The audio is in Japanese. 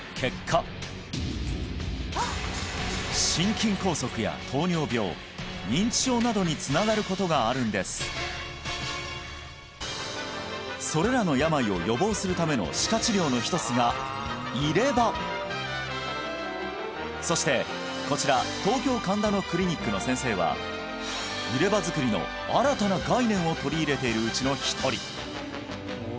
心筋梗塞や糖尿病認知症などにつながることがあるんですそれらの病を予防するための歯科治療の一つが入れ歯そしてこちら東京神田のクリニックの先生は入れ歯作りの新たな概念を取り入れているうちの１人！